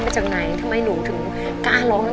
เราจะแค้งกันก่อนเลย